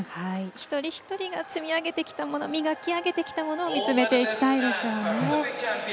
一人一人が積み上げてきたもの磨き上げてきたもの見つめたいですよね。